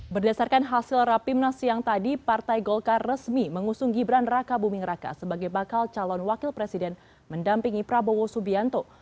berdasarkan hasil rapimnas siang tadi partai golkar resmi mengusung gibran raka buming raka sebagai bakal calon wakil presiden mendampingi prabowo subianto